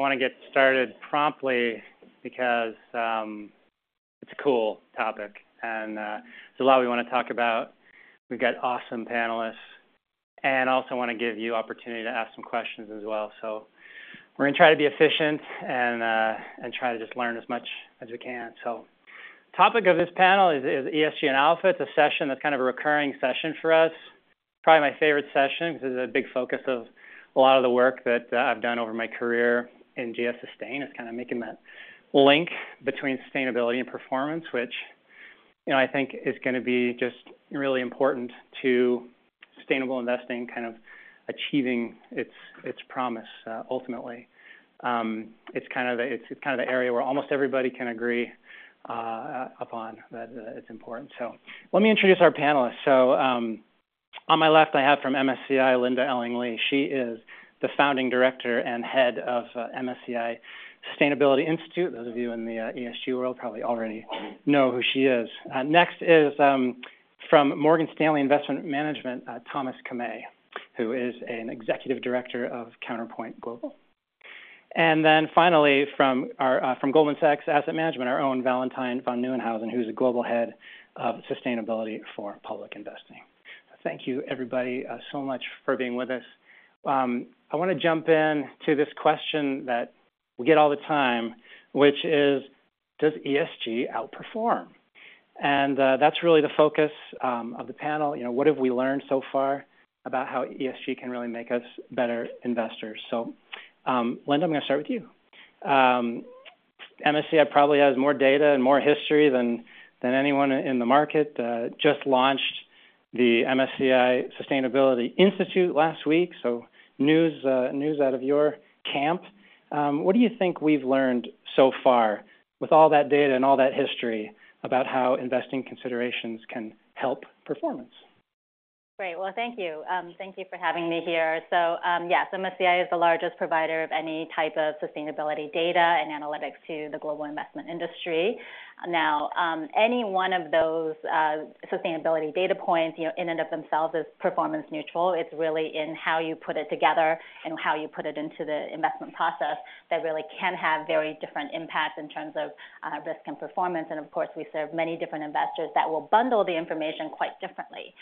I wanna get started promptly because it's a cool topic, and there's a lot we wanna talk about. We've got awesome panelists, and I also wanna give you opportunity to ask some questions as well. So we're gonna try to be efficient and try to just learn as much as we can. So topic of this panel is ESG and Alpha. It's a session that's kind of a recurring session for us. Probably my favorite session, because it's a big focus of a lot of the work that I've done over my career in ESG Sustain. It's kinda making that link between sustainability and performance, which, you know, I think is gonna be just really important to sustainable investing, kind of achieving its promise ultimately. It's kind of a, it's kind of the area where almost everybody can agree upon that it's important. So let me introduce our panelists. So on my left, I have from MSCI, Linda-Eling Lee. She is the founding director and head of MSCI Sustainability Institute. Those of you in the ESG world probably already know who she is. Next is from Morgan Stanley Investment Management, Thomas Kamei, who is an Executive Director of Counterpoint Global. And then finally, from Goldman Sachs Asset Management, our own Valentijn van Nieuwenhuijzen, who's the global head of Sustainability for Public Investing. Thank you, everybody, so much for being with us. I wanna jump in to this question that we get all the time, which is: Does ESG outperform? And that's really the focus of the panel. You know, what have we learned so far about how ESG can really make us better investors? So, Linda, I'm gonna start with you. MSCI probably has more data and more history than, than anyone in the market, just launched the MSCI Sustainability Institute last week, so news, news out of your camp. What do you think we've learned so far with all that data and all that history about how investing considerations can help performance? Great. Well, thank you. Thank you for having me here. So yes, MSCI is the largest provider of any type of sustainability data and analytics to the global investment industry. Now, any one of those sustainability data points, you know, in and of themselves, is performance neutral. It's really in how you put it together and how you put it into the investment process that really can have very different impacts in terms of risk and performance. And of course, we serve many different investors that will bundle the information quite differently.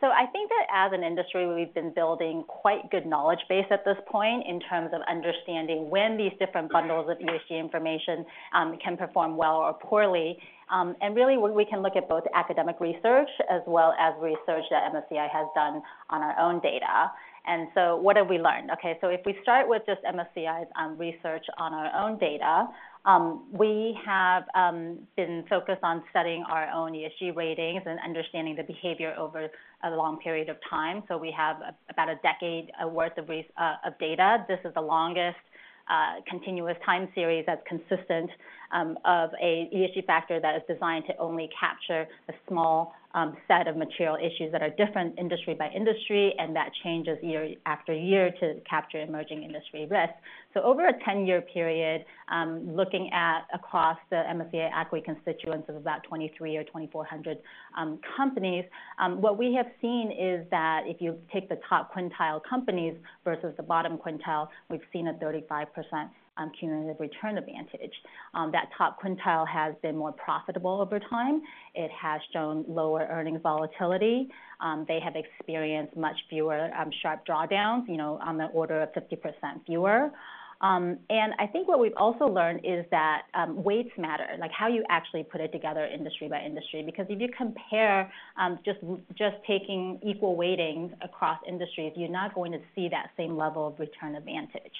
So I think that as an industry, we've been building quite good knowledge base at this point in terms of understanding when these different bundles of ESG information can perform well or poorly. Really, we can look at both academic research as well as research that MSCI has done on our own data. So what have we learned? Okay, so if we start with just MSCI's research on our own data, we have been focused on studying our own ESG ratings and understanding the behavior over a long period of time, so we have about a decade worth of data. This is the longest continuous time series that's consistent of an ESG factor that is designed to only capture a small set of material issues that are different industry by industry, and that changes year after year to capture emerging industry risks. So over a 10-year period, looking at across the MSCI equity constituents of about 2,300 or 2,400 companies, what we have seen is that if you take the top quintile companies versus the bottom quintile, we've seen a 35% cumulative return advantage. That top quintile has been more profitable over time. It has shown lower earnings volatility. They have experienced much fewer sharp drawdowns, you know, on the order of 50% fewer. And I think what we've also learned is that weights matter, like how you actually put it together industry by industry. Because if you compare just taking equal weightings across industries, you're not going to see that same level of return advantage.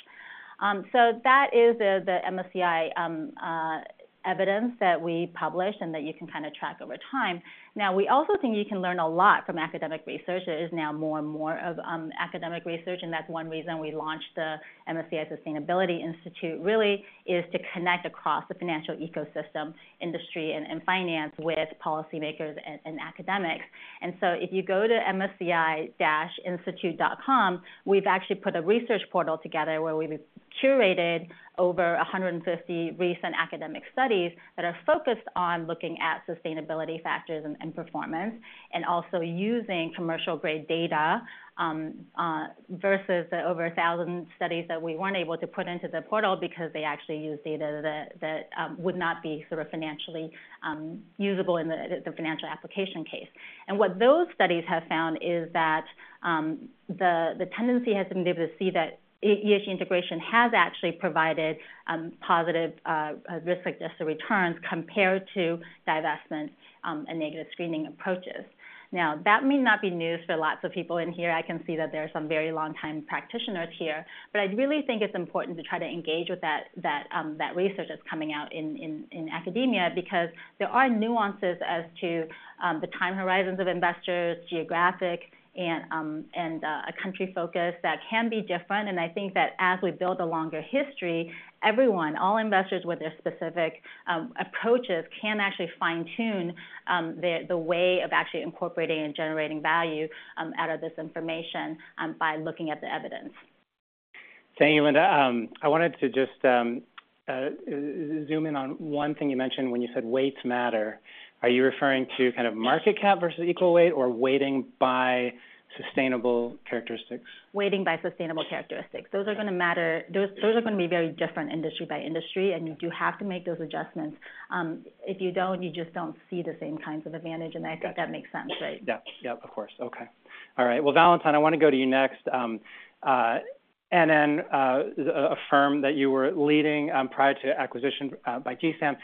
So that is the MSCI evidence that we published and that you can kinda track over time. Now, we also think you can learn a lot from academic research. There is now more and more of academic research, and that's one reason we launched the MSCI Sustainability Institute, really, is to connect across the financial ecosystem, industry, and finance with policymakers and academics. And so if you go to msci-institute.com, we've actually put a research portal together where we've curated over 150 recent academic studies that are focused on looking at sustainability factors and performance, and also using commercial-grade data, versus the over 1,000 studies that we weren't able to put into the portal because they actually use data that would not be sort of financially usable in the financial application case. And what those studies have found is that the tendency has been able to see that ESG integration has actually provided positive risk-adjusted returns compared to divestment and negative screening approaches. Now, that may not be news for lots of people in here. I can see that there are some very long-time practitioners here. But I really think it's important to try to engage with that research that's coming out in academia, because there are nuances as to the time horizons of investors, geographic and a country focus that can be different. And I think that as we build a longer history, everyone, all investors with their specific approaches, can actually fine-tune the way of actually incorporating and generating value out of this information by looking at the evidence. Thank you, Linda. I wanted to just, zoom in on one thing you mentioned when you said weights matter. Are you referring to kind of market cap versus equal weight or weighting by sustainable characteristics? Weighting by sustainable characteristics. Those are gonna matter. Those are gonna be very different industry by industry, and you do have to make those adjustments. If you don't, you just don't see the same kinds of advantage, and I think that makes sense, right? Yeah. Yeah, of course. Okay. All right. Well, Valentijn, I wanna go to you next. And then, a firm that you were leading, prior to acquisition, by GSAM.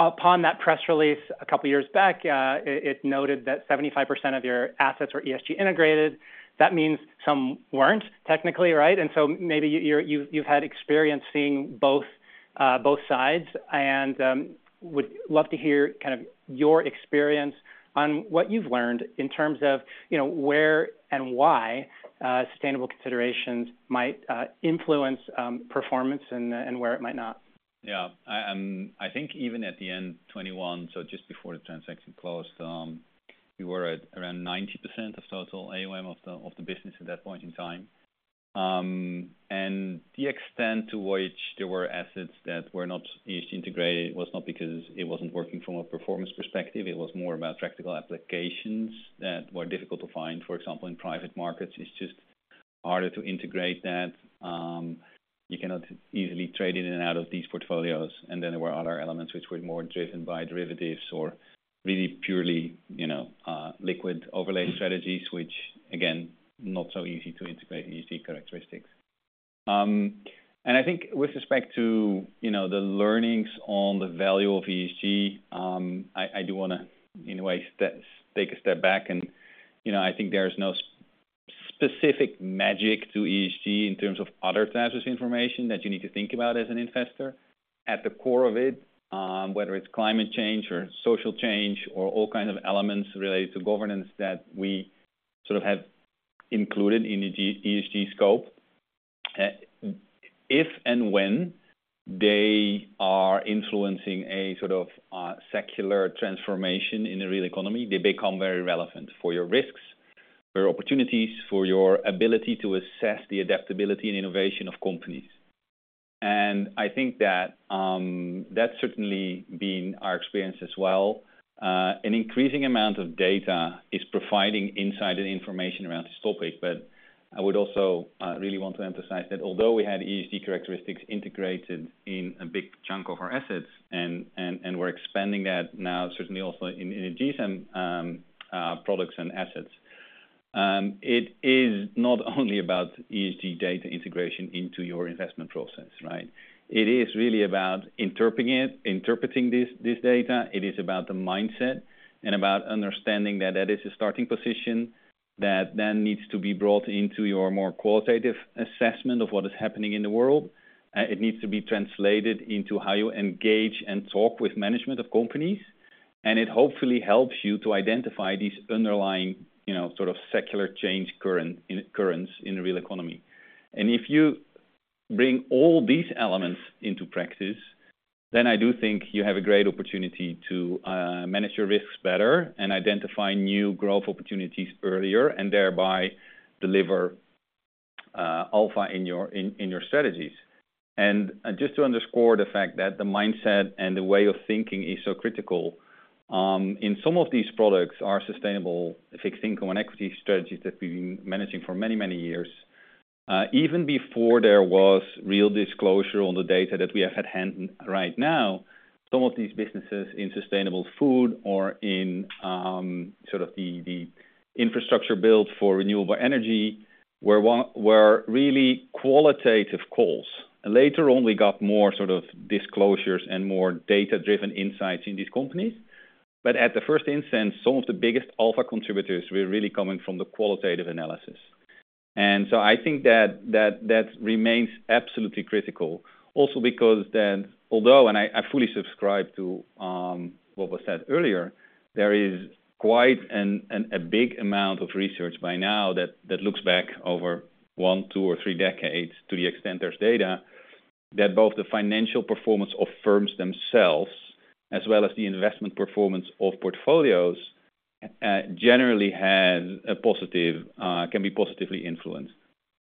Upon that press release a couple of years back, it noted that 75% of your assets were ESG integrated. That means some weren't technically, right? And so maybe you've had experience seeing both sides, and would love to hear kind of your experience on what you've learned in terms of, you know, where and why sustainable considerations might influence performance and where it might not. Yeah. I think even at the end 2021, so just before the transaction closed, we were at around 90% of total AUM of the, of the business at that point in time. And the extent to which there were assets that were not ESG integrated was not because it wasn't working from a performance perspective, it was more about practical applications that were difficult to find. For example, in private markets, it's just harder to integrate that. You cannot easily trade in and out of these portfolios, and then there were other elements which were more driven by derivatives or really purely, you know, liquid overlay strategies, which, again, not so easy to integrate ESG characteristics. And I think with respect to, you know, the learnings on the value of ESG, I do wanna in a way take a step back and, you know, I think there's no specific magic to ESG in terms of other types of information that you need to think about as an investor. At the core of it, whether it's climate change or social change, or all kinds of elements related to governance that we sort of have included in the ESG scope, if and when they are influencing a sort of secular transformation in the real economy, they become very relevant for your risks, for opportunities, for your ability to assess the adaptability and innovation of companies. And I think that, that's certainly been our experience as well. An increasing amount of data is providing insight and information around this topic, but I would also really want to emphasize that although we had ESG characteristics integrated in a big chunk of our assets and we're expanding that now, certainly also in a GSAM products and assets, it is not only about ESG data integration into your investment process, right? It is really about interpreting it, interpreting this data. It is about the mindset and about understanding that that is a starting position that then needs to be brought into your more qualitative assessment of what is happening in the world. It needs to be translated into how you engage and talk with management of companies, and it hopefully helps you to identify these underlying, you know, sort of secular change currents in the real economy. If you bring all these elements into practice, then I do think you have a great opportunity to manage your risks better and identify new growth opportunities earlier, and thereby deliver alpha in your strategies. Just to underscore the fact that the mindset and the way of thinking is so critical, in some of these products, our sustainable fixed income and equity strategies that we've been managing for many, many years, even before there was real disclosure on the data that we have at hand right now, some of these businesses in sustainable food or in sort of the infrastructure built for renewable energy, were really qualitative calls. Later on, we got more sort of disclosures and more data-driven insights in these companies. At the first instance, some of the biggest alpha contributors were really coming from the qualitative analysis. So I think that remains absolutely critical. Also because then, although and I fully subscribe to what was said earlier, there is quite a big amount of research by now that looks back over one, two, or three decades to the extent there's data, that both the financial performance of firms themselves, as well as the investment performance of portfolios generally has a positive, can be positively influenced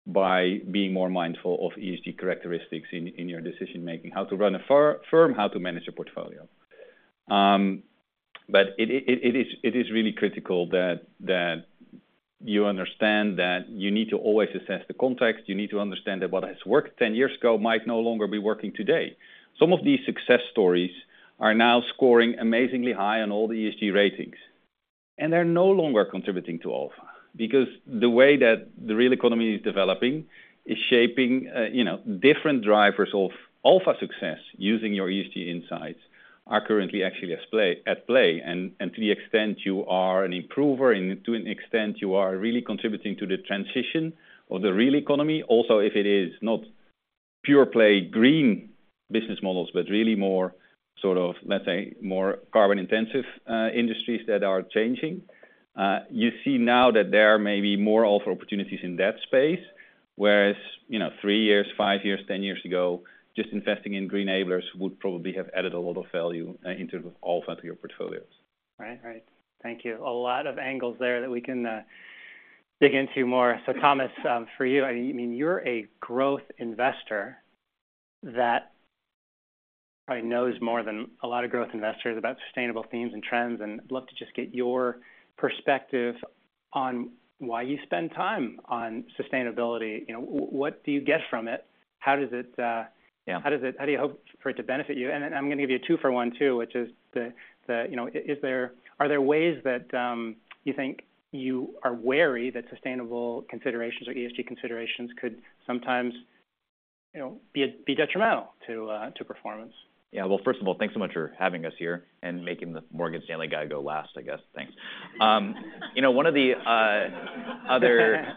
by being more mindful of ESG characteristics in your decision-making, how to run a firm, how to manage a portfolio. But it is really critical that you understand that you need to always assess the context. You need to understand that what has worked 10 years ago might no longer be working today. Some of these success stories are now scoring amazingly high on all the ESG ratings, and they're no longer contributing to alpha. Because the way that the real economy is developing is shaping, you know, different drivers of alpha success using your ESG insights are currently actually at play, at play. And to the extent you are an improver, and to an extent you are really contributing to the transition of the real economy, also, if it is not pure play green business models, but really more sort of, let's say, more carbon-intensive industries that are changing, you see now that there may be more alpha opportunities in that space, whereas, you know, 3 years, 5 years, 10 years ago, just investing in green enablers would probably have added a lot of value in terms of alpha to your portfolios. Right. Right. Thank you. A lot of angles there that we can dig into more. So Thomas, for you, I mean, you're a growth investor that probably knows more than a lot of growth investors about sustainable themes and trends, and I'd love to just get your perspective on why you spend time on sustainability. You know, what do you get from it? How does it, how do you hope for it to benefit you? And then I'm gonna give you a two for one, too, which is, you know, are there ways that you think you are wary that sustainable considerations or ESG considerations could sometimes, you know, be detrimental to performance? Yeah. Well, first of all, thanks so much for having us here and making the Morgan Stanley guy go last, I guess. Thanks. You know, one of the other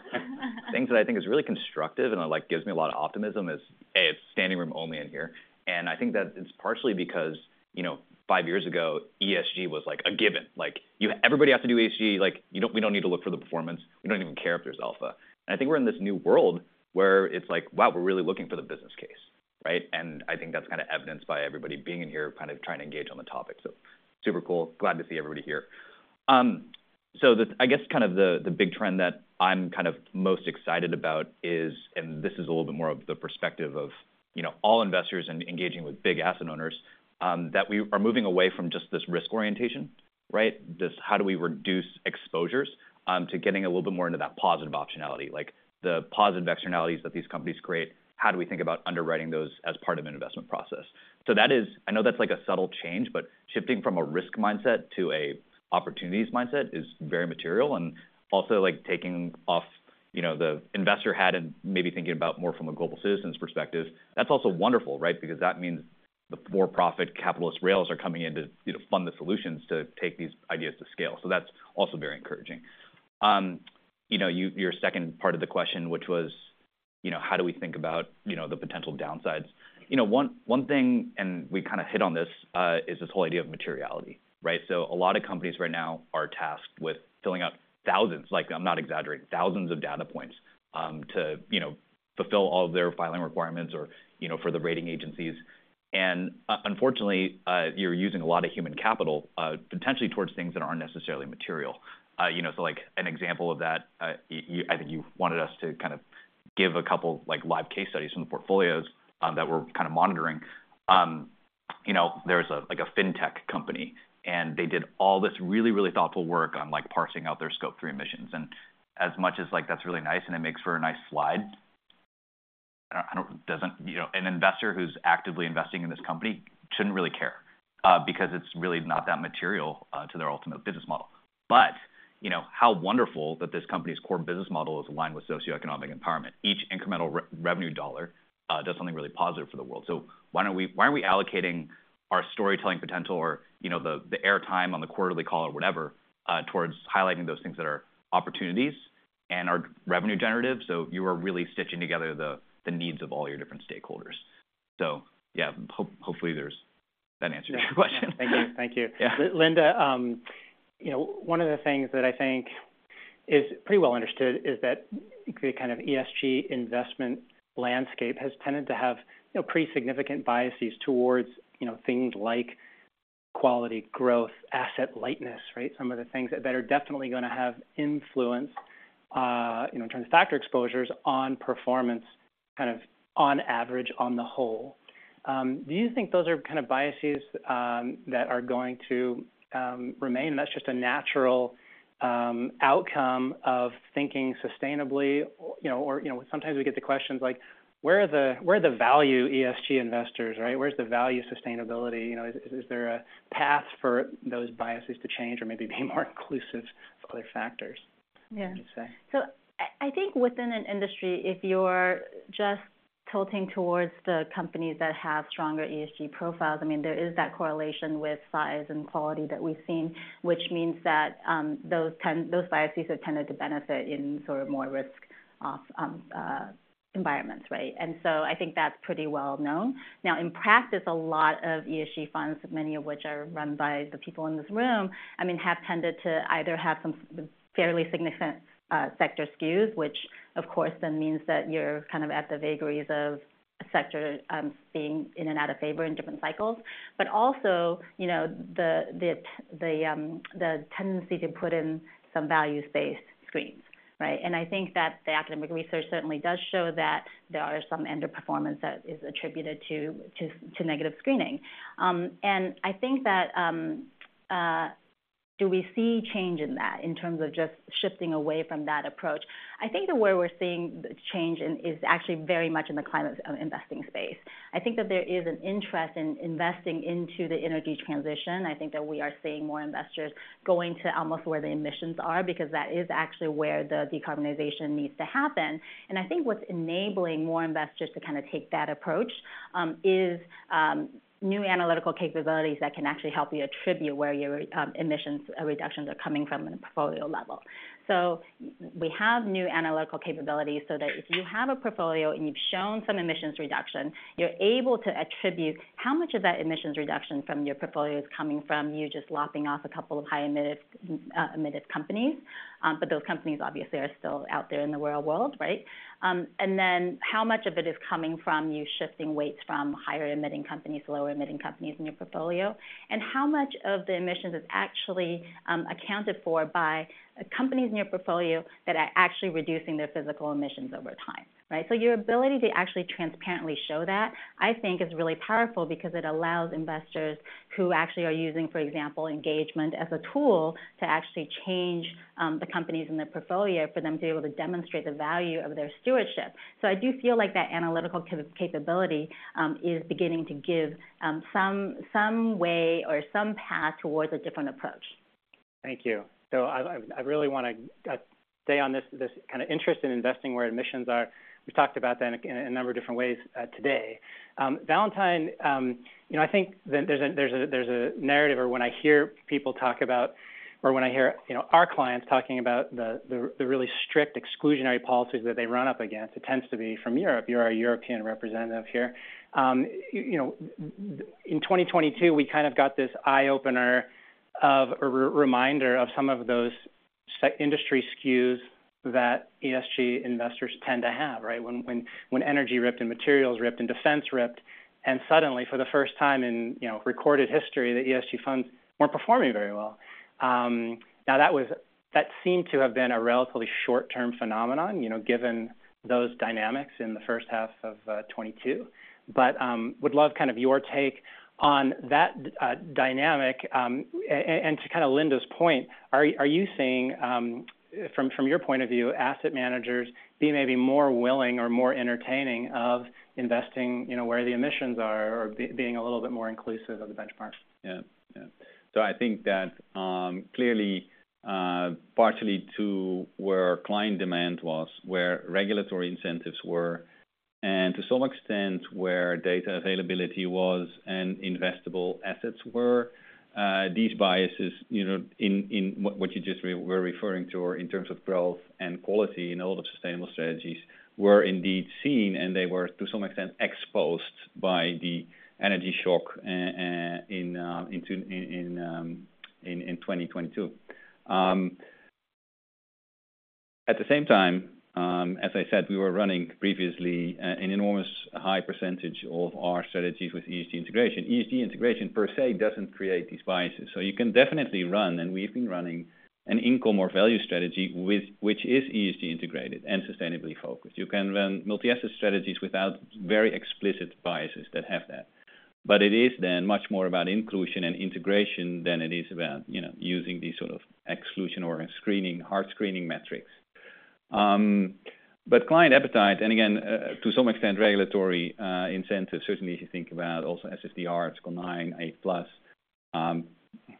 things that I think is really constructive and, like, gives me a lot of optimism is, A, it's standing room only in here, and I think that it's partially because, you know, five years ago, ESG was, like, a given. Like, you, everybody has to do ESG. Like, you don't, we don't need to look for the performance. We don't even care if there's alpha. And I think we're in this new world where it's like, Wow, we're really looking for the business case, right? And I think that's kind of evidenced by everybody being in here, kind of trying to engage on the topic. So super cool. Glad to see everybody here. So the, I guess kind of the big trend that I'm kind of most excited about is, and this is a little bit more of the perspective of, you know, all investors in engaging with big asset owners, that we are moving away from just this risk orientation, right? Just how do we reduce exposures to getting a little bit more into that positive optionality, like the positive externalities that these companies create. How do we think about underwriting those as part of an investment process? So that is, I know that's like a subtle change, but shifting from a risk mindset to a opportunities mindset is very material, and also, like, taking off, you know, the investor hat and maybe thinking about more from a global citizen's perspective. That's also wonderful, right? Because that means the for-profit capitalist rails are coming in to, you know, fund the solutions to take these ideas to scale. So that's also very encouraging. You know, your second part of the question, which was, you know, how do we think about, you know, the potential downsides? You know, one thing, and we kind of hit on this, is this whole idea of materiality, right? So a lot of companies right now are tasked with filling out thousands, like, I'm not exaggerating, thousands of data points, to, you know, fulfill all of their filing requirements or, you know, for the rating agencies. And, unfortunately, you're using a lot of human capital, potentially towards things that aren't necessarily material. You know, so like an example of that, I think you wanted us to kind of give a couple, like, live case studies from the portfolios, that we're kind of monitoring. You know, there's a, like, a fintech company, and they did all this really, really thoughtful work on, like, parsing out their Scope 3 emissions. And as much as, like, that's really nice and it makes for a nice slide, you know, an investor who's actively investing in this company shouldn't really care, because it's really not that material, to their ultimate business model. But, you know, how wonderful that this company's core business model is aligned with socioeconomic empowerment. Each incremental revenue dollar does something really positive for the world. So why don't we, why aren't we allocating our storytelling potential or, you know, the, the airtime on the quarterly call or whatever, towards highlighting those things that are opportunities and are revenue generative? So you are really stitching together the, the needs of all your different stakeholders. So yeah, hopefully, that answers your question. Thank you. Thank you. Yeah. Linda, you know, one of the things that I think is pretty well understood is that the kind of ESG investment landscape has tended to have, you know, pretty significant biases towards, you know, things like quality, growth, asset lightness, right? Some of the things that are definitely gonna have influence, you know, in terms of factor exposures on performance, kind of on average, on the whole. Do you think those are kind of biases that are going to remain, and that's just a natural outcome of thinking sustainably? You know, or, you know, sometimes we get the questions like: Where are the value ESG investors, right? Where's the value sustainability? You know, is there a path for those biases to change or maybe be more inclusive of other factors? Yeah. What would you say? So I think within an industry, if you're just tilting towards the companies that have stronger ESG profiles, I mean, there is that correlation with size and quality that we've seen, which means that those biases have tended to benefit in sort of more risk-off environments, right? And so I think that's pretty well known. Now, in practice, a lot of ESG funds, many of which are run by the people in this room, I mean, have tended to either have some fairly significant sector skews, which of course then means that you're kind of at the vagaries of a sector being in and out of favor in different cycles, but also, you know, the tendency to put in some values-based screens, right? I think that the academic research certainly does show that there are some underperformance that is attributed to negative screening. And I think that, do we see change in that in terms of just shifting away from that approach? I think that where we're seeing change in is actually very much in the climate investing space. I think that there is an interest in investing into the energy transition. I think that we are seeing more investors going to almost where the emissions are, because that is actually where the decarbonization needs to happen. And I think what's enabling more investors to kind of take that approach, is, new analytical capabilities that can actually help you attribute where your, emissions, reductions are coming from in a portfolio level. So we have new analytical capabilities so that if you have a portfolio, and you've shown some emissions reduction, you're able to attribute how much of that emissions reduction from your portfolio is coming from you just lopping off a couple of high emitted, emitted companies, but those companies obviously are still out there in the real world, right? And then how much of it is coming from you shifting weights from higher emitting companies to lower emitting companies in your portfolio, and how much of the emissions is actually accounted for by companies in your portfolio that are actually reducing their physical emissions over time, right? So your ability to actually transparently show that, I think, is really powerful because it allows investors who actually are using, for example, engagement as a tool to actually change the companies in their portfolio, for them to be able to demonstrate the value of their stewardship. So I do feel like that analytical capability is beginning to give some way or some path towards a different approach. Thank you. So I really want to stay on this kind of interest in investing where emissions are. We've talked about that in a number of different ways today. Valentijn, you know, I think that there's a narrative or when I hear people talk about or when I hear, you know, our clients talking about the really strict exclusionary policies that they run up against, it tends to be from Europe. You're our European representative here. You know, in 2022, we kind of got this eye-opener of a reminder of some of those industry skews that ESG investors tend to have, right? When energy ripped and materials ripped and defense ripped, and suddenly, for the first time in, you know, recorded history, the ESG funds weren't performing very well. Now that was, that seemed to have been a relatively short-term phenomenon, you know, given those dynamics in the first half of 2022. But, would love kind of your take on that dynamic. And to kind of Linda's point, are you seeing, from your point of view, asset managers being maybe more willing or more entertaining of investing, you know, where the emissions are or being a little bit more inclusive of the benchmarks? Yeah. Yeah. So I think that, clearly, partially to where client demand was, where regulatory incentives were, and to some extent, where data availability was and investable assets were, these biases, you know, in what you just were referring to or in terms of growth and quality in all the sustainable strategies, were indeed seen, and they were, to some extent, exposed by the energy shock in 2022. At the same time, as I said, we were running previously an enormous high percentage of our strategies with ESG integration. ESG integration per se doesn't create these biases, so you can definitely run, and we've been running an income or value strategy with which is ESG integrated and sustainably focused. You can run multi-asset strategies without very explicit biases that have that, but it is then much more about inclusion and integration than it is about, you know, using these sort of exclusion or screening, hard screening metrics. But client appetite, and again, to some extent, regulatory, incentives, certainly if you think about also SFDR, Article 9, 8 plus,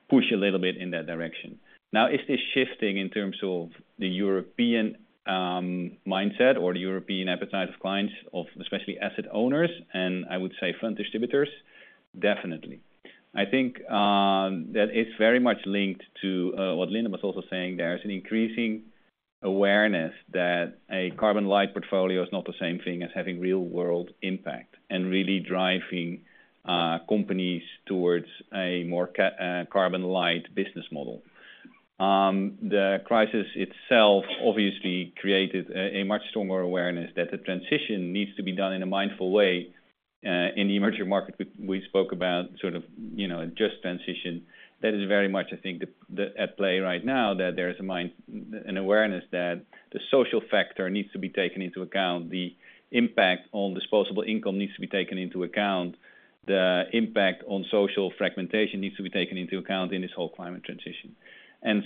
push a little bit in that direction. Now, is this shifting in terms of the European, mindset or the European appetite of clients, of especially asset owners, and I would say front distributors? Definitely. I think, that it's very much linked to, what Linda was also saying. There's an increasing awareness that a carbon-light portfolio is not the same thing as having real-world impact and really driving, companies towards a more carbon-light business model. The crisis itself obviously created a much stronger awareness that the transition needs to be done in a mindful way in the emerging market. We spoke about sort of, you know, a just transition. That is very much, I think, the at play right now, that there is a mind, an awareness that the social factor needs to be taken into account, the impact on disposable income needs to be taken into account, the impact on social fragmentation needs to be taken into account in this whole climate transition.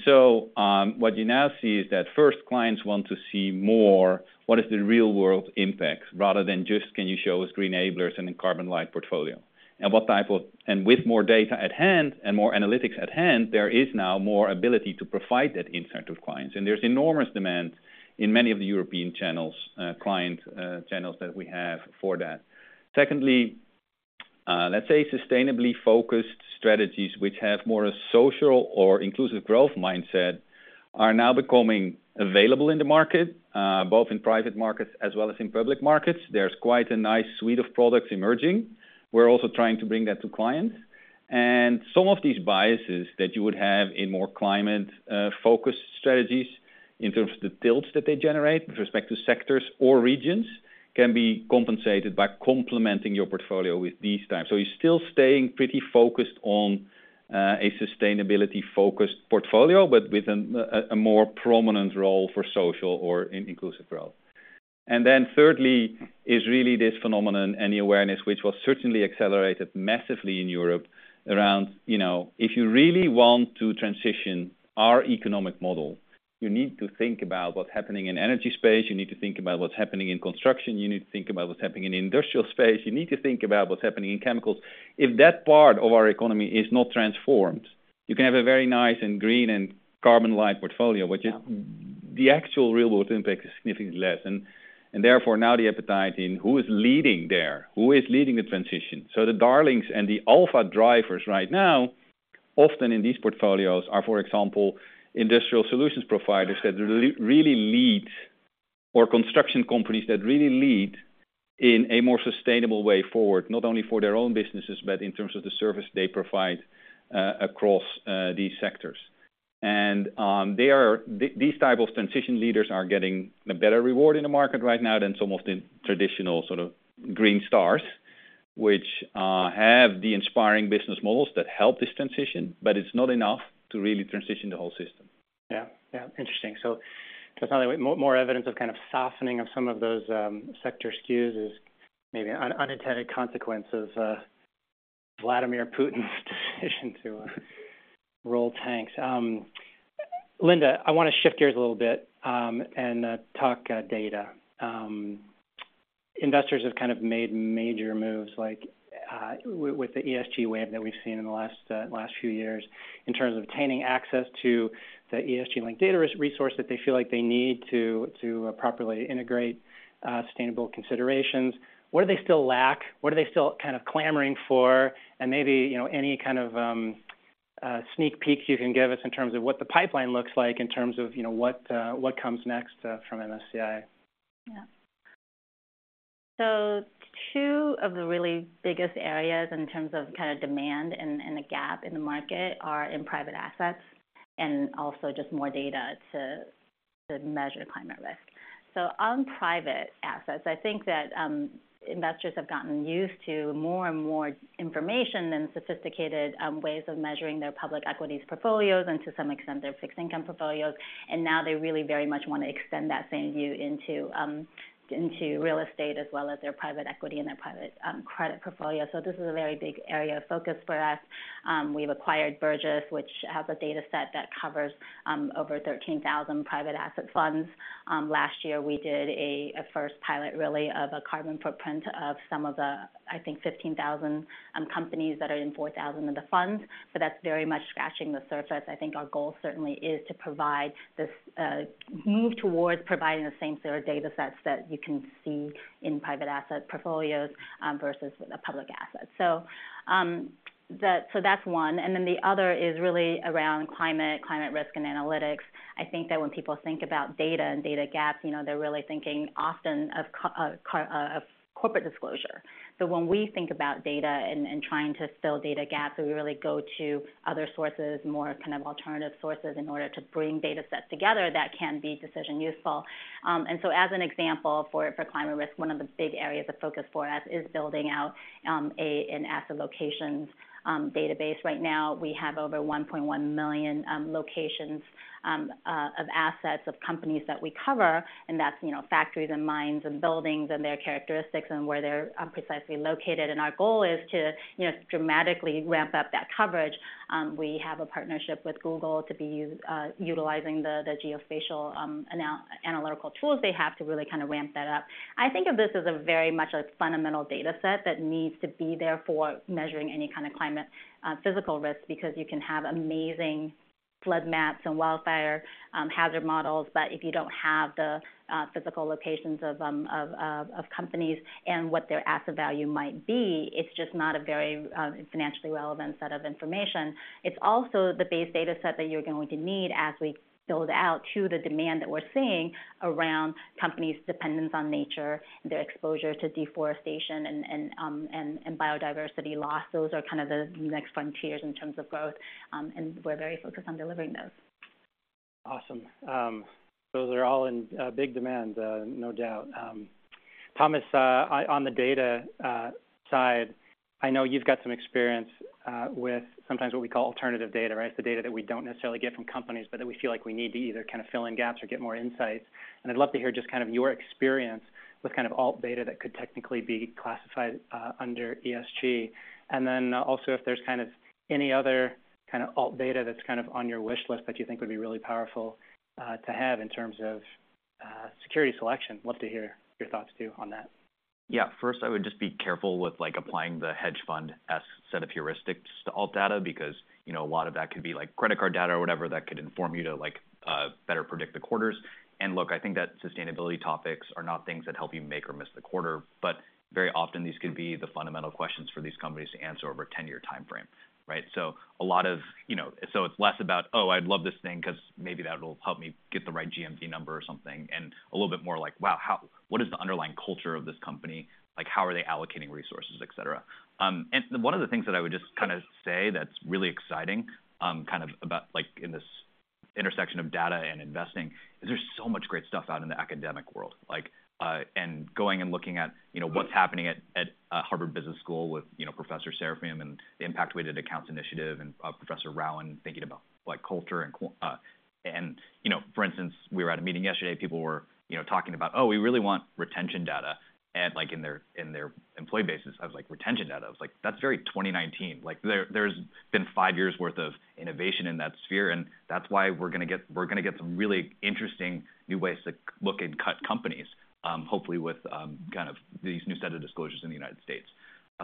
So what you now see is that first clients want to see more, what is the real-world impact, rather than just, "Can you show us green enablers and a carbon-light portfolio?" And what type of, with more data at hand and more analytics at hand, there is now more ability to provide that insight to clients, and there's enormous demand in many of the European channels, client channels that we have for that. Secondly, let's say sustainably focused strategies, which have more a social or inclusive growth mindset, are now becoming available in the market, both in private markets as well as in public markets. There's quite a nice suite of products emerging. We're also trying to bring that to clients. And some of these biases that you would have in more climate focused strategies in terms of the tilts that they generate with respect to sectors or regions, can be compensated by complementing your portfolio with these types. So you're still staying pretty focused on a sustainability-focused portfolio, but with an a more prominent role for social or in inclusive growth. And then thirdly, is really this phenomenon and the awareness, which was certainly accelerated massively in Europe around, you know, if you really want to transition our economic model, you need to think about what's happening in energy space. You need to think about what's happening in construction. You need to think about what's happening in the industrial space. You need to think about what's happening in chemicals. If that part of our economy is not transformed, you can have a very nice and green and carbon-light portfolio, which is, the actual real-world impact is significantly less, and therefore, now the appetite in who is leading there, who is leading the transition? So the darlings and the alpha drivers right now, often in these portfolios, are, for example, industrial solutions providers that really lead, or construction companies that really lead in a more sustainable way forward, not only for their own businesses, but in terms of the service they provide across these sectors. And they are, these type of transition leaders are getting a better reward in the market right now than some of the traditional sort of green stars, which have the inspiring business models that help this transition, but it's not enough to really transition the whole system. Yeah. Yeah, interesting. So that's now more evidence of kind of softening of some of those sector skews is maybe unintended consequences of Vladimir Putin's decision to roll tanks. Linda, I want to shift gears a little bit, and talk data. Investors have kind of made major moves, like, with the ESG wave that we've seen in the last few years, in terms of obtaining access to the ESG-linked data resource that they feel like they need to properly integrate sustainable considerations. What do they still lack? What are they still kind of clamoring for? And maybe, you know, any kind of sneak peeks you can give us in terms of what the pipeline looks like in terms of, you know, what comes next from MSCI? Yeah. So two of the really biggest areas in terms of kind of demand and the gap in the market are in private assets, and also just more data to measure climate risk. So on private assets, I think that investors have gotten used to more and more information and sophisticated ways of measuring their public equities portfolios, and to some extent, their fixed income portfolios. And now they really very much want to extend that same view into real estate, as well as their private equity and their private credit portfolio. So this is a very big area of focus for us. We've acquired Burgiss, which has a data set that covers over 13,000 private asset funds. Last year, we did a first pilot, really, of a carbon footprint of some of the, I think, 15,000 companies that are in 4,000 of the funds, but that's very much scratching the surface. I think our goal certainly is to provide this move towards providing the same sort of data sets that you can see in private asset portfolios versus the public assets. So that's one, and then the other is really around climate risk and analytics. I think that when people think about data and data gaps, you know, they're really thinking often of corporate disclosure. But when we think about data and trying to fill data gaps, we really go to other sources, more kind of alternative sources, in order to bring data sets together that can be decision useful. So as an example for climate risk, one of the big areas of focus for us is building out an asset locations database. Right now, we have over 1.1 million locations of assets of companies that we cover, and that's, you know, factories and mines and buildings and their characteristics and where they're precisely located. Our goal is to, you know, dramatically ramp up that coverage. We have a partnership with Google to use the geospatial analytical tools they have to really kind of ramp that up. I think of this as a very much a fundamental data set that needs to be there for measuring any kind of climate physical risk, because you can have amazing flood maps and wildfire hazard models, but if you don't have the physical locations of companies and what their asset value might be, it's just not a very financially relevant set of information. It's also the base data set that you're going to need as we build out to the demand that we're seeing around companies' dependence on nature, their exposure to deforestation, and biodiversity loss. Those are kind of the next frontiers in terms of growth, and we're very focused on delivering those. Awesome. Those are all in big demand, no doubt. Thomas, on the data side, I know you've got some experience with sometimes what we call alternative data, right? The data that we don't necessarily get from companies, but that we feel like we need to either kind of fill in gaps or get more insights. And I'd love to hear just kind of your experience with kind of alt data that could technically be classified under ESG. And then, also, if there's kind of any other kind of alt data that's kind of on your wish list that you think would be really powerful to have in terms of security selection. Love to hear your thoughts, too, on that. Yeah. First, I would just be careful with, like, applying the hedge fund-esque set of heuristics to alt data, because, you know, a lot of that could be, like, credit card data or whatever, that could inform you to, like, better predict the quarters. And look, I think that sustainability topics are not things that help you make or miss the quarter, but very often, these could be the fundamental questions for these companies to answer over a ten-year timeframe, right? So a lot of- you know, so it's less about, "Oh, I'd love this thing because maybe that will help me get the right GMV number or something," and a little bit more like, "Wow, how, what is the underlying culture of this company? Like, how are they allocating resources, et cetera?" And one of the things that I would just kind of say that's really exciting, kind of about, like, in this intersection of data and investing, is there's so much great stuff out in the academic world. Like, and going and looking at, you know, what's happening at, at, Harvard Business School with, you know, Professor Serafeim and the Impact-Weighted Accounts Initiative, and, Professor Rouen thinking about, like, culture and. And you know, for instance, we were at a meeting yesterday, people were, you know, talking about: Oh, we really want retention data, and, like, in their, in their employee bases. I was like, retention data? I was like, that's very 2019. Like, there, there's been five years worth of innovation in that sphere, and that's why we're gonna get, we're gonna get some really interesting new ways to look and cut companies, hopefully with kind of these new set of disclosures in the United States.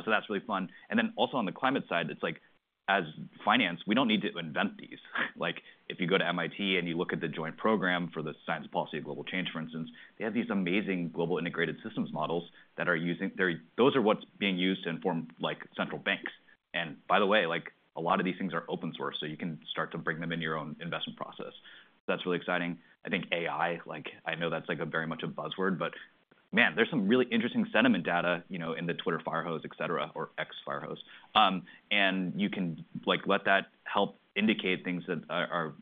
So that's really fun. And then also on the climate side, it's like, as finance, we don't need to invent these. Like, if you go to MIT and you look at the Joint Program on the Science and Policy of Global Change, for instance, they have these amazing global integrated systems models. Those are what's being used to inform, like, central banks. And by the way, like, a lot of these things are open source, so you can start to bring them into your own investment process. That's really exciting. I think AI, like, I know that's, like, a very much a buzzword, but man, there's some really interesting sentiment data, you know, in the Twitter firehose, et cetera, or X firehose. And you can, like, let that help indicate things that are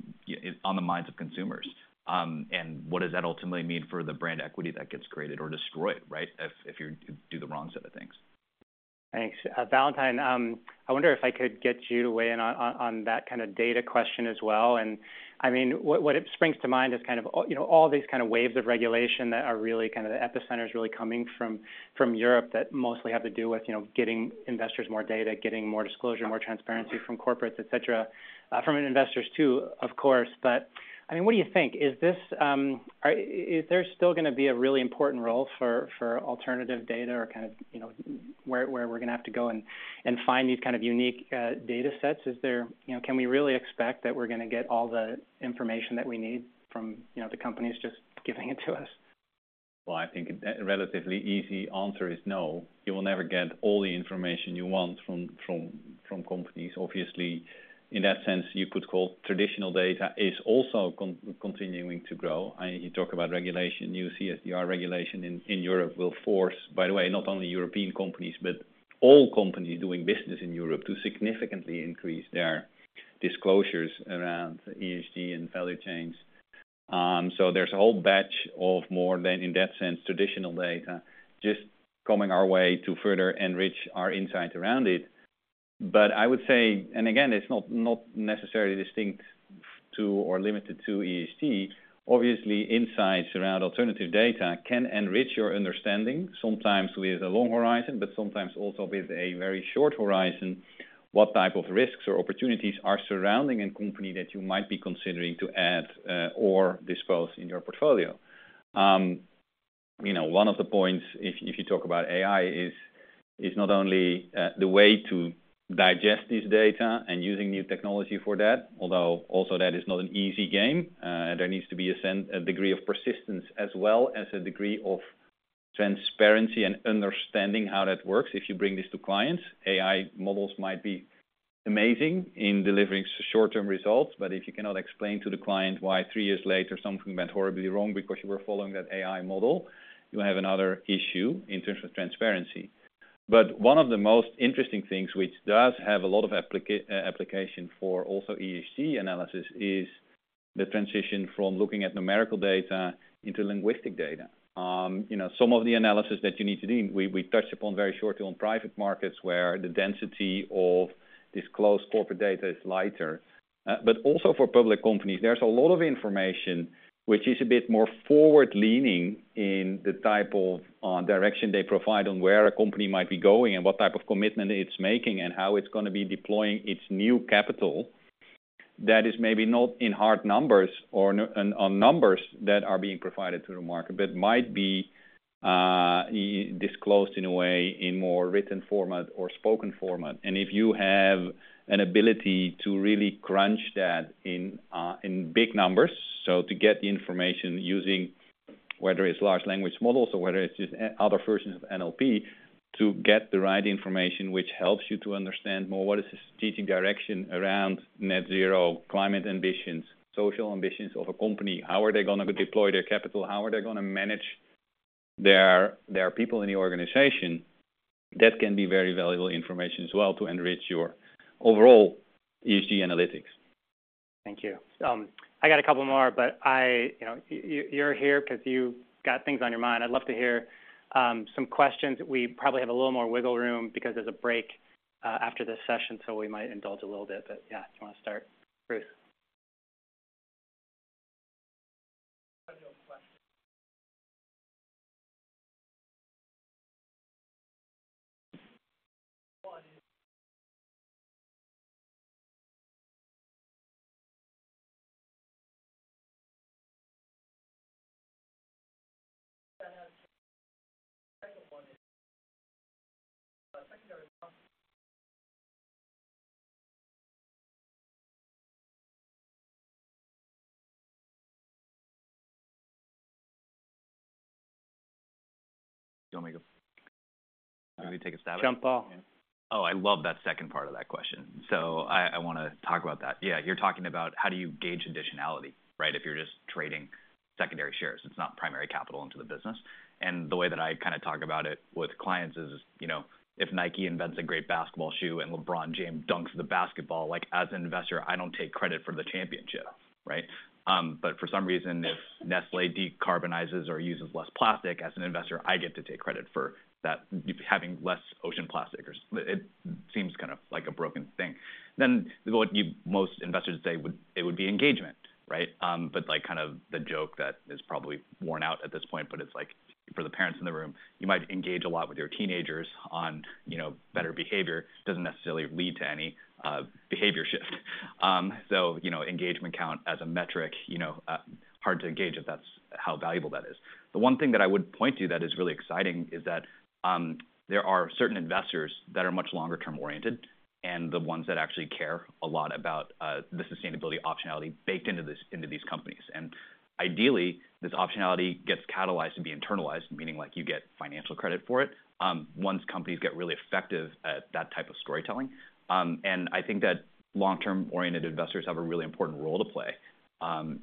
on the minds of consumers. And what does that ultimately mean for the brand equity that gets created or destroyed, right? If you do the wrong set of things. Thanks. Valentijn, I wonder if I could get you to weigh in on that kind of data question as well. I mean, what springs to mind is kind of, you know, all these kind of waves of regulation that are really kind of the epicenter is really coming from Europe, that mostly have to do with, you know, getting investors more data, getting more disclosure, more transparency from corporates, et cetera, from investors, too, of course. But, I mean, what do you think? Is there still gonna be a really important role for alternative data or kind of, you know, where we're gonna have to go and find these kind of unique data sets? Is there, you know, can we really expect that we're gonna get all the information that we need from, you know, the companies just giving it to us? Well, I think a relatively easy answer is no, you will never get all the information you want from companies. Obviously, in that sense, you could call traditional data is also continuing to grow. You talk about regulation, new CSR regulation in Europe will force, by the way, not only European companies, but all companies doing business in Europe, to significantly increase their disclosures around ESG and value chains. So there's a whole batch of more, in that sense, traditional data just coming our way to further enrich our insights around it. But I would say, and again, it's not, not necessarily distinct to or limited to ESG, obviously, insights around alternative data can enrich your understanding, sometimes with a long horizon, but sometimes also with a very short horizon, what type of risks or opportunities are surrounding a company that you might be considering to add, or dispose in your portfolio? You know, one of the points, if you talk about AI, is not only the way to digest this data and using new technology for that, although also that is not an easy game. There needs to be a degree of persistence as well as a degree of transparency and understanding how that works if you bring this to clients. AI models might be amazing in delivering short-term results, but if you cannot explain to the client why three years later, something went horribly wrong because you were following that AI model, you have another issue in terms of transparency. But one of the most interesting things, which does have a lot of application for also ESG analysis, is the transition from looking at numerical data into linguistic data. You know, some of the analysis that you need to do, we touched upon very shortly on private markets, where the density of this closed corporate data is lighter. But also for public companies, there's a lot of information which is a bit more forward-leaning in the type of direction they provide on where a company might be going and what type of commitment it's making, and how it's going to be deploying its new capital. That is maybe not in hard numbers or on numbers that are being provided to the market, but might be disclosed in a way in more written format or spoken format. If you have an ability to really crunch that in, in big numbers, so to get the information using whether it's large language models or whether it's just other versions of NLP, to get the right information, which helps you to understand more what is the strategic direction around net zero, climate ambitions, social ambitions of a company, how are they gonna deploy their capital, how are they gonna manage their people in the organization, that can be very valuable information as well to enrich your overall ESG analytics. Thank you. I got a couple more, but I, you know, you're here because you've got things on your mind. I'd love to hear some questions. We probably have a little more wiggle room because there's a break after this session, so we might indulge a little bit. But, yeah, if you want to start, Bruce? Do you want me to take a stab at it? Jump off. Oh, I love that second part of that question. So I, I want to talk about that. Yeah, you're talking about how do you gauge additionality, right? If you're just trading secondary shares, it's not primary capital into the business. And the way that I kind of talk about it with clients is, you know, if Nike invents a great basketball shoe and LeBron James dunks the basketball, like, as an investor, I don't take credit for the championship, right? But for some reason, if Nestlé decarbonizes or uses less plastic, as an investor, I get to take credit for that, having less ocean plastic or, it seems kind of like a broken thing. Then what you most investors say would be engagement, right? But like, kind of the joke that is probably worn out at this point, but it's like for the parents in the room, you might engage a lot with your teenagers on, you know, better behavior, doesn't necessarily lead to any behavior shift. So, you know, engagement count as a metric, you know, hard to engage if that's how valuable that is. The one thing that I would point to that is really exciting is that there are certain investors that are much longer term-oriented, and the ones that actually care a lot about the sustainability optionality baked into these companies. And ideally, this optionality gets catalyzed to be internalized, meaning like you get financial credit for it, once companies get really effective at that type of storytelling. I think that long-term-oriented investors have a really important role to play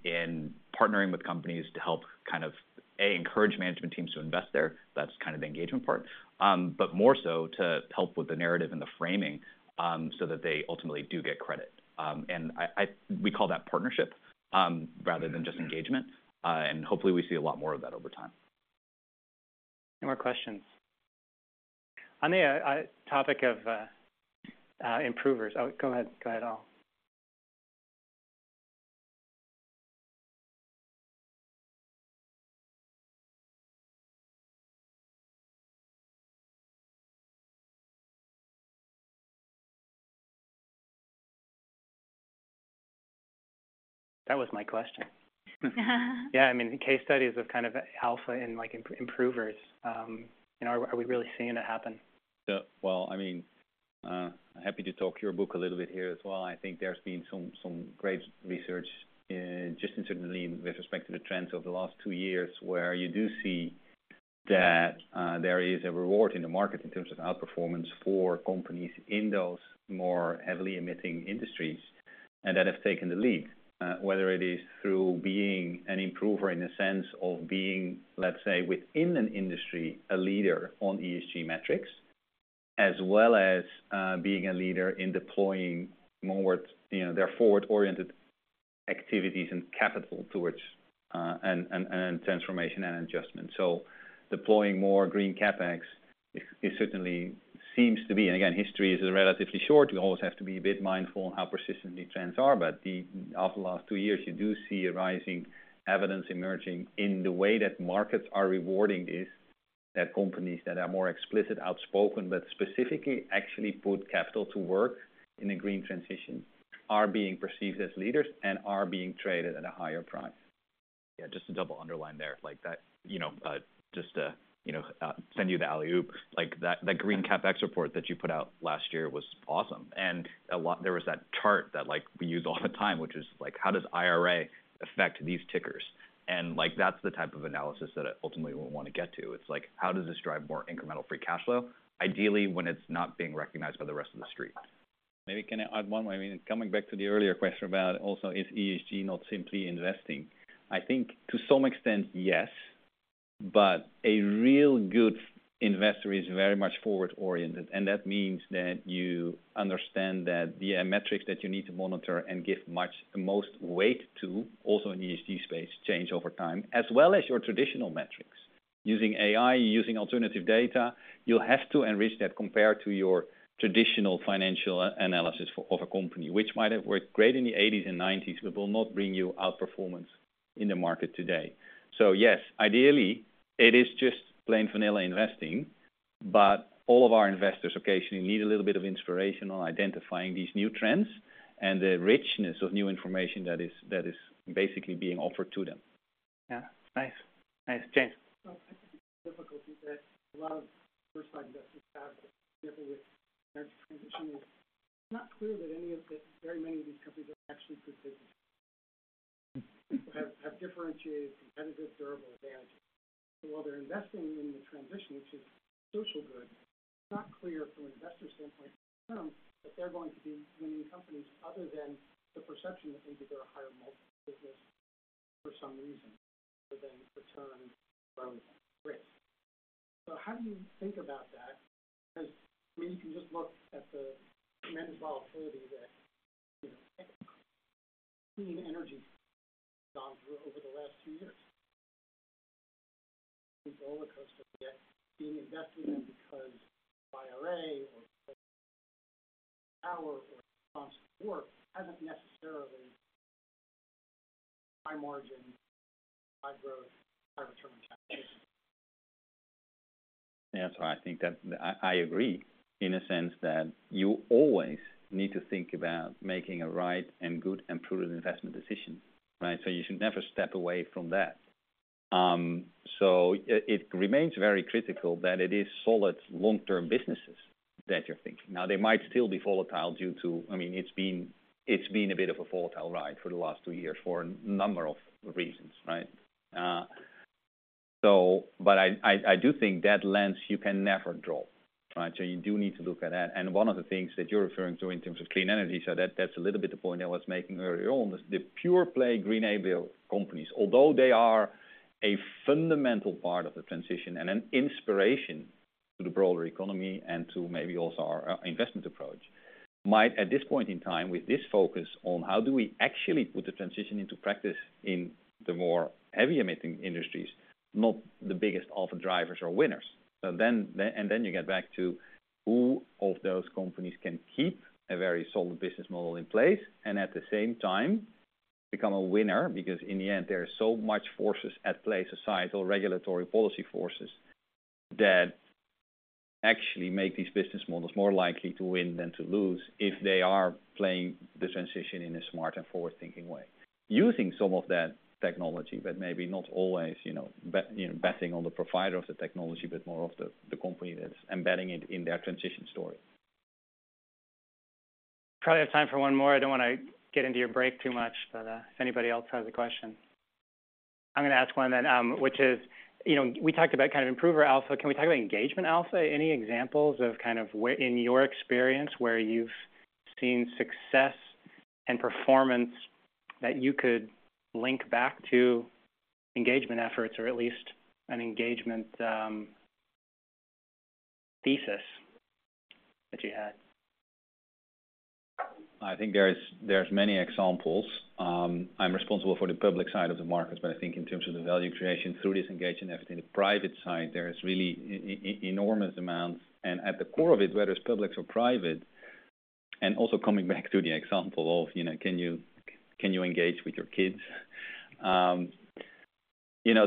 in partnering with companies to help kind of, A, encourage management teams to invest there. That's kind of the engagement part. But more so, to help with the narrative and the framing, so that they ultimately do get credit. And we call that partnership rather than just engagement, and hopefully we see a lot more of that over time. Any more questions? On the topic of improvers, oh, go ahead. Go ahead, Al. That was my question. Yeah, I mean, the case studies of kind of alpha and, like, improvers, you know, are we really seeing it happen? Yeah. Well, I mean, I'm happy to talk your book a little bit here as well. I think there's been some great research, just in certainly with respect to the trends over the last two years, where you do see that there is a reward in the market in terms of outperformance for companies in those more heavily emitting industries and that have taken the lead. Whether it is through being an improver in the sense of being, let's say, within an industry, a leader on ESG metrics, as well as being a leader in deploying more, you know, their forward-oriented activities and capital towards and transformation and adjustment. So deploying more green CapEx certainly seems to be, and again, history is relatively short. We always have to be a bit mindful on how persistent these trends are, but over the last two years, you do see a rising evidence emerging in the way that markets are rewarding this, that companies that are more explicit, outspoken, but specifically actually put capital to work in a green transition, are being perceived as leaders and are being traded at a higher price. Yeah, just to double underline there, like that, you know, just to, you know, send you the alley-oop, like that, that Green CapEx report that you put out last year was awesome. And a lot, there was that chart that like we use all the time, which is like, how does IRA affect these tickers? And like, that's the type of analysis that I ultimately will want to get to. It's like, how does this drive more incremental free cash flow, ideally, when it's not being recognized by the rest of the street? Maybe can I add one more? I mean, coming back to the earlier question about also, is ESG not simply investing? I think to some extent, yes, but a real good investor is very much forward-oriented, and that means that you understand that the metrics that you need to monitor and give much, the most weight to, also in the ESG space, change over time, as well as your traditional metrics. Using AI, using alternative data, you'll have to enrich that compared to your traditional financial analysis of a company, which might have worked great in the eighties and nineties, but will not bring you outperformance in the market today. So yes, ideally, it is just plain vanilla investing, but all of our investors occasionally need a little bit of inspiration on identifying these new trends and the richness of new information that is basically being offered to them. Yeah. Nice. Nice. James? Difficulty that a lot of first-time investors have with transition is, it's not clear that any of the very many of these companies are actually good fit, have differentiated, competitive, durable advantage. While they're investing in the transition, which is social good, it's not clear from an investor standpoint, that they're going to be winning companies other than the perception that they get a higher multiple business for some reason other than return risk. So how do you think about that? Because, I mean, you can just look at the tremendous volatility that, you know, clean energy gone through over the last 2 years. Rollercoaster, yet being invested in them because IRA hasn't necessarily high margin, high growth, high return. Yeah. So I think that, I agree in a sense that you always need to think about making a right and good and prudent investment decision, right? So you should never step away from that. So it remains very critical that it is solid long-term businesses that you're thinking. Now, they might still be volatile due to, I mean, it's been a bit of a volatile ride for the last two years for a number of reasons, right? So but I do think that lens, you can never drop, right? So you do need to look at that. And one of the things that you're referring to in terms of clean energy, so that, that's a little bit the point I was making earlier on, is the pure play green-enabled companies. Although they are a fundamental part of the transition and an inspiration to the broader economy, and to maybe also our investment approach, might at this point in time, with this focus on how do we actually put the transition into practice in the more heavy emitting industries, not the biggest alpha drivers or winners. So then you get back to who of those companies can keep a very solid business model in place, and at the same time become a winner, because in the end, there are so much forces at play, societal, regulatory policy forces, that actually make these business models more likely to win than to lose if they are playing the transition in a smart and forward-thinking way, using some of that technology, but maybe not always, you know, betting on the provider of the technology, but more of the company that's embedding it in their transition story. Probably have time for one more. I don't want to get into your break too much, but if anybody else has a question. I'm going to ask one then, which is, you know, we talked about kind of improver alpha. Can we talk about engagement alpha? Any examples of kind of where, in your experience, where you've seen success and performance that you could link back to engagement efforts, or at least an engagement thesis that you had? I think there's many examples. I'm responsible for the public side of the markets, but I think in terms of the value creation through this engagement effort, in the private side, there is really enormous amount. And at the core of it, whether it's public or private, and also coming back to the example of, you know, can you, can you engage with your kids? You know,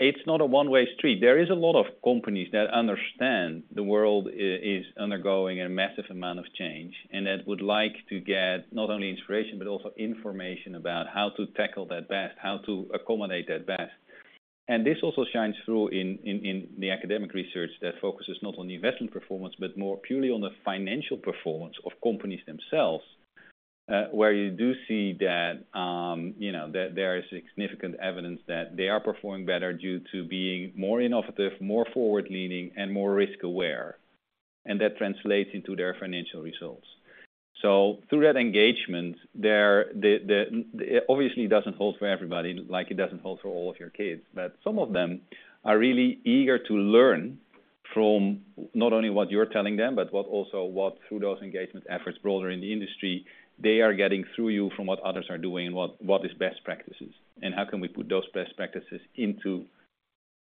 it's not a one-way street. There is a lot of companies that understand the world is undergoing a massive amount of change, and that would like to get not only inspiration, but also information about how to tackle that best, how to accommodate that best. This also shines through in the academic research that focuses not on the investment performance, but more purely on the financial performance of companies themselves, where you do see that, you know, that there is significant evidence that they are performing better due to being more innovative, more forward-leaning, and more risk-aware, and that translates into their financial results. So through that engagement, it obviously doesn't hold for everybody, like it doesn't hold for all of your kids. But some of them are really eager to learn from not only what you're telling them, but also what, through those engagement efforts broader in the industry, they are getting through you from what others are doing and what is best practices, and how can we put those best practices into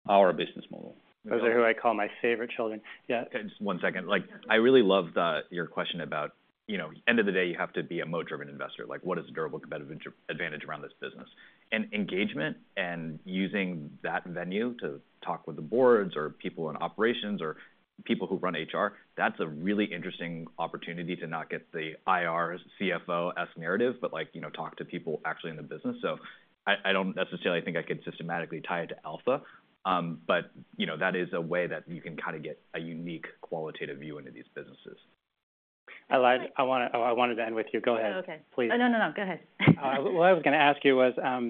our business model? Those are who I call my favorite children. Yeah. Just one second. Like, I really love your question about, you know, end of the day, you have to be a moat-driven investor. Like, what is a durable competitive advantage around this business? Engagement and using that venue to talk with the boards or people in operations or people who run HR, that's a really interesting opportunity to not get the IR's, CFO-esque narrative, but, like, you know, talk to people actually in the business. So I don't necessarily think I could systematically tie it to Alpha, but, you know, that is a way that you can kind of get a unique qualitative view into these businesses. Eling, I wanted to end with you. Go ahead. Oh, okay. Please. Oh, no, no, no. Go ahead. What I was gonna ask you was, I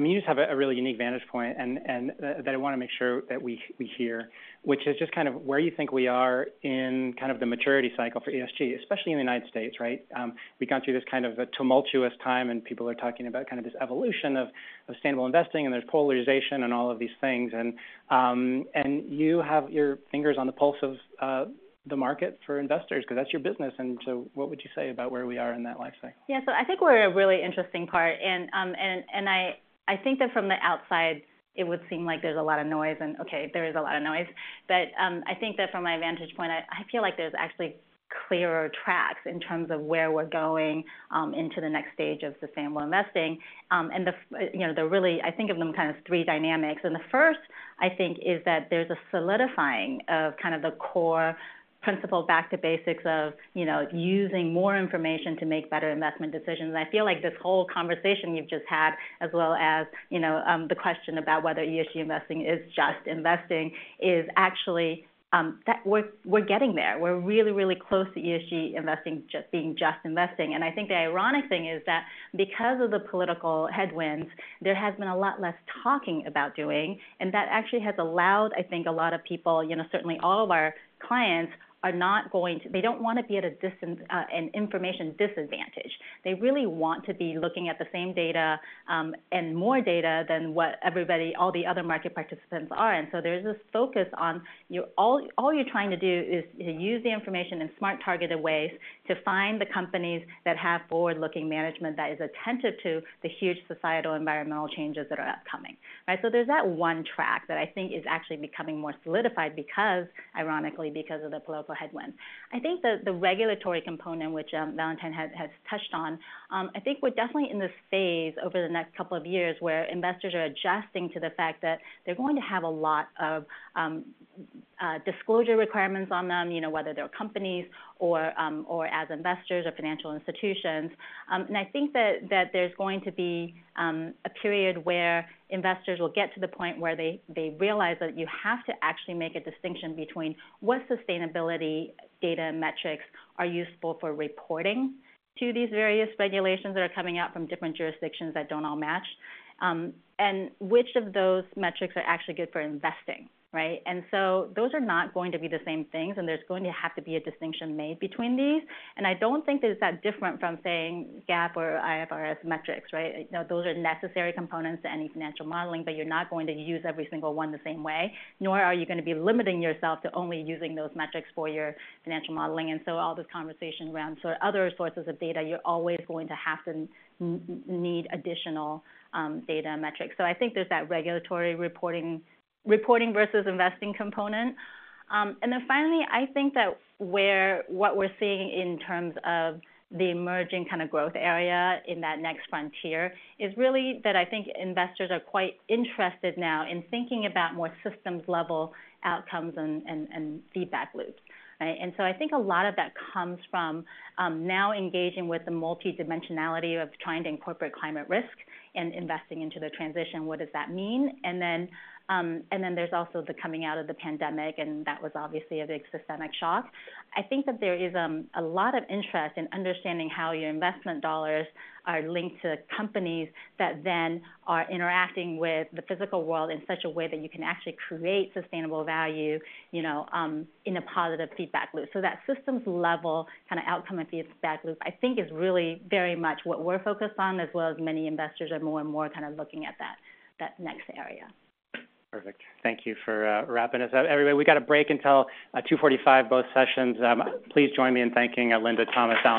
mean, you just have a really unique vantage point, and that I wanna make sure that we hear, which is just kind of where you think we are in kind of the maturity cycle for ESG, especially in the United States, right? We've gone through this kind of a tumultuous time, and people are talking about kind of this evolution of sustainable investing, and there's polarization and all of these things. And you have your fingers on the pulse of the market for investors because that's your business. And so what would you say about where we are in that life cycle? Yeah, so I think we're at a really interesting part, and I think that from the outside, it would seem like there's a lot of noise and okay, there is a lot of noise. But I think that from my vantage point, I feel like there's actually clearer tracks in terms of where we're going into the next stage of sustainable investing. And the, you know, the really, I think of them kind of three dynamics, and the first, I think, is that there's a solidifying of kind of the core principle back to basics of, you know, using more information to make better investment decisions. I feel like this whole conversation you've just had, as well as, you know, the question about whether ESG investing is just investing, is actually that we're getting there. We're really, really close to ESG investing just being just investing. And I think the ironic thing is that because of the political headwinds, there has been a lot less talking about doing, and that actually has allowed, I think, a lot of people, you know, certainly all of our clients are not going to, they don't wanna be at a distance, an information disadvantage. They really want to be looking at the same data, and more data than what everybody, all the other market participants are. And so there's this focus on, you, all, all you're trying to do is, you know, use the information in smart, targeted ways to find the companies that have forward-looking management that is attentive to the huge societal environmental changes that are upcoming, right? So there's that one track that I think is actually becoming more solidified because, ironically, because of the political headwinds. I think the regulatory component, which Valentijn has touched on, I think we're definitely in this phase over the next couple of years, where investors are adjusting to the fact that they're going to have a lot of disclosure requirements on them, you know, whether they're companies or as investors or financial institutions. And I think that there's going to be a period where investors will get to the point where they realize that you have to actually make a distinction between what sustainability data metrics are useful for reporting to these various regulations that are coming out from different jurisdictions that don't all match, and which of those metrics are actually good for investing, right? Those are not going to be the same things, and there's going to have to be a distinction made between these. I don't think that it's that different from saying GAAP or IFRS metrics, right? You know, those are necessary components to any financial modeling, but you're not going to use every single one the same way, nor are you gonna be limiting yourself to only using those metrics for your financial modeling. All this conversation around sort of other sources of data, you're always going to have to need additional data metrics. I think there's that regulatory reporting, reporting versus investing component. And then finally, I think that where what we're seeing in terms of the emerging kind of growth area in that next frontier is really that I think investors are quite interested now in thinking about more systems-level outcomes and feedback loops, right? And so I think a lot of that comes from now engaging with the multidimensionality of trying to incorporate climate risk and investing into the transition. What does that mean? And then there's also the coming out of the pandemic, and that was obviously a big systemic shock. I think that there is a lot of interest in understanding how your investment dollars are linked to companies that then are interacting with the physical world in such a way that you can actually create sustainable value, you know, in a positive feedback loop. So that systems-level kind of outcome and feedback loop, I think, is really very much what we're focused on, as well as many investors are more and more kind of looking at that, that next area. Perfect. Thank you for wrapping us up. Everybody, we got a break until 2:45 P.M., both sessions. Please join me in thanking Linda, Thomas.